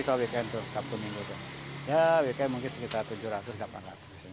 kupat tahu gempol